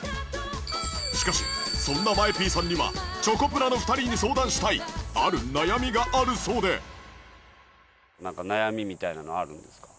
しかしそんな ＭＡＥＰ さんにはチョコプラの２人に相談したいある悩みがあるそうでなんか悩みみたいなのあるんですか？